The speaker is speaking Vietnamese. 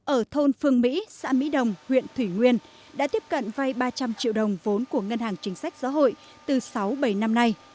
ở thôn phương mỹ xã mỹ đồng huyện thủy nguyên đã tiếp cận vay ba trăm linh triệu đồng vốn của ngân hàng chính sách xã hội từ sáu bảy năm nay